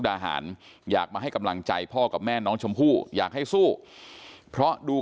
แม่น้องชมพู่แม่น้องชมพู่แม่น้องชมพู่แม่น้องชมพู่แม่น้องชมพู่